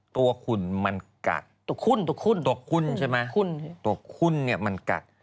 ตัวขุนมันกัดตัวขุนใช่ไหมตัวขุนเนี่ยมันกัด